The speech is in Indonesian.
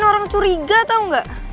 pekin orang curiga tau gak